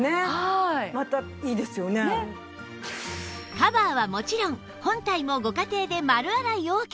カバーはもちろん本体もご家庭で丸洗い ＯＫ